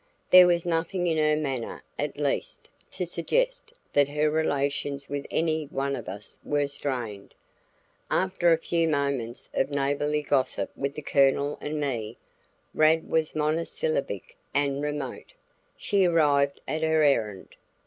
There was nothing in her manner, at least, to suggest that her relations with any one of us were strained. After a few moments of neighborly gossip with the Colonel and me Rad was monosyllabic and remote she arrived at her errand.